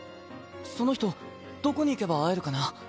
その人どこに行けば会えるかな？